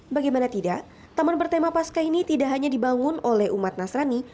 bagaimana tidak taman bertema pasca ini tidak hanya dibangun oleh umat nasrani